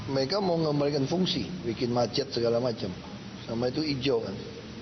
mereka mau ngembalikan fungsi bikin macet segala macam sama itu hijau kan